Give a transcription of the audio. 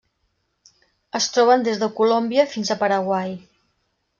Es troben des de Colòmbia fins a Paraguai.